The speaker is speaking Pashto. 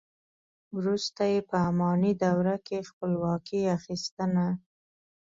وروسته یې په اماني دوره کې خپلواکي اخیستنه.